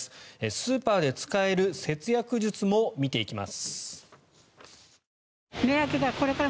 スーパーで使える節約術も見ていきます。